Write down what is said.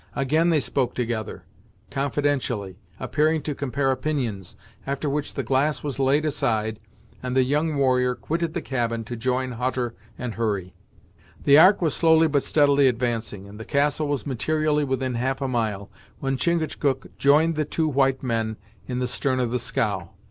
Again they spoke together, confidentially, appearing to compare opinions, after which the glass was laid aside, and the young warrior quitted the cabin to join Hutter and Hurry. The Ark was slowly but steadily advancing, and the castle was materially within half a mile, when Chingachgook joined the two white men in the stern of the scow.